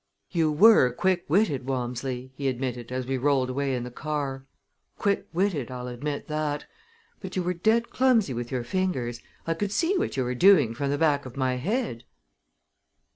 "You were quick witted, Walmsley," he admitted as we rolled away in the car, "quick witted, I'll admit that; but you were dead clumsy with your fingers! I could see what you were doing from the back of my head."